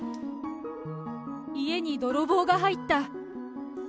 家に泥棒が入った。